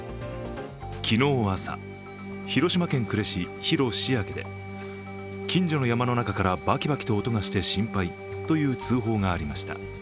昨日朝、広島県呉市広塩焼で近所の山の中からバキバキと音がして心配という通報がありました。